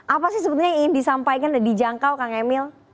apa sih sebetulnya yang ingin disampaikan dan dijangkau kang emil